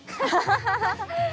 ハハハハ。